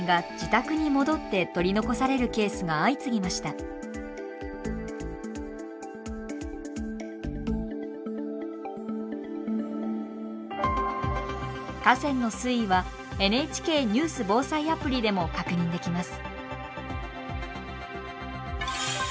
この時水戸市では河川の水位はＮＨＫニュース防災アプリでも確認できます。